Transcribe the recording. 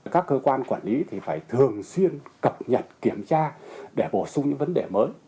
các cơ quan quản lý thì phải thường xuyên cập nhật kiểm tra để bổ sung những vấn đề mới